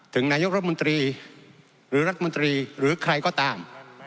นายกรัฐมนตรีหรือรัฐมนตรีหรือใครก็ตาม